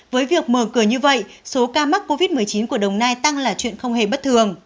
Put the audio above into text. với việc mở cửa như vậy số ca mắc covid một mươi chín của đồng nai tăng là chuyện không hề bất thường